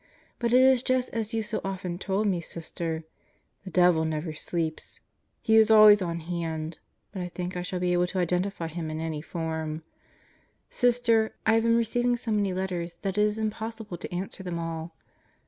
But it is just as you so often told me, Sister; the devil never sleeps. He is always on hand, but I think I shall be able to identify him in any form. ... Sister, I have been receiving so many letters that it is impossible to answer them all.